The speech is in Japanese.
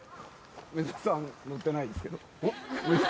梅沢さんはのってないですけど。